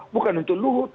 bukan untuk luhut